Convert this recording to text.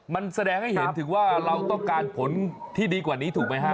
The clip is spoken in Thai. มันแสดงให้เห็นถึงว่าเราต้องการผลที่ดีกว่านี้ถูกไหมฮะ